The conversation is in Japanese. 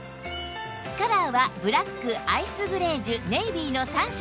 カラーはブラックアイスグレージュネイビーの３色